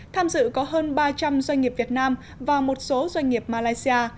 tham dự có hơn ba trăm linh doanh nghiệp việt nam và một số doanh nghiệp malaysia